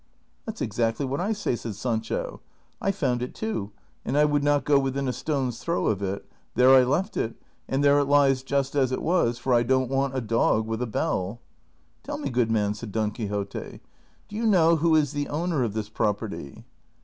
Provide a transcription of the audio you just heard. " That 's exactly what I say," said Sancho ;" I found it too, and I would not go within a stone's throw of it ; there I left it, and there it lies just as it was, for I don't want a dog with a bell." 1 '< Tell me, good man," said Don Quixote, " do you know who is the oAvner of this property